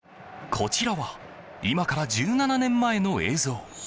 こちらは今から１７年前の映像。